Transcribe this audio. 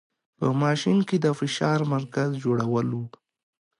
په ماشین کې د فشار مرکز جوړول و.